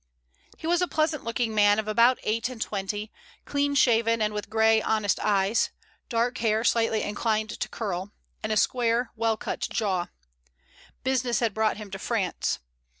He was a pleasant looking man of about eight and twenty, clean shaven and with gray, honest eyes, dark hair slightly inclined to curl, and a square, well cut jaw. Business had brought him to France.